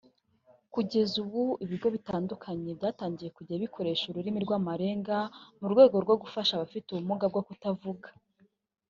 Kugeza ubu ibigo bitandukanye byatangiye kujya bikoresha ururimi rw’amarenga mu rwego rwo gufasha abafite ubumuga bwo kutavuga